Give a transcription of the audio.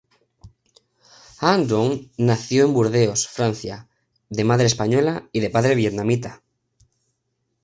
Anh Duong nació en Burdeos, Francia, de madre española y padre vietnamita.